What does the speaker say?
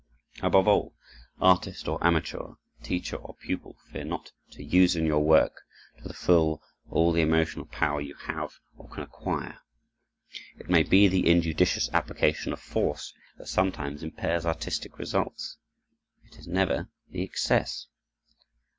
Above all, artist or amateur, teacher or pupil, fear not to use in your work to the full all the emotional power you have or can acquire. It may be the injudicious application of force that sometimes impairs artistic results; it is never the excess.